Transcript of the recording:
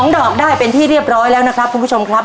๒ดอกได้เป็นที่เรียบร้อยแล้วนะครับคุณผู้ชมครับ